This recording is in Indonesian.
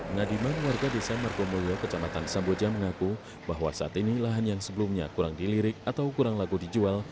ngadiman warga desa margomulyo kecamatan samboja mengaku bahwa saat ini lahan yang sebelumnya kurang dilirik atau kurang lagu dijual